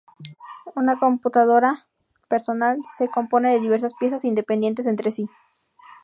Una computadora personal se compone de diversas piezas independientes entre sí.